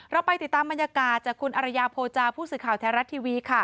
เราไปติดตามบรรยากาศจากคุณอรยาโภจาผู้สื่อข่าวไทยรัฐทีวี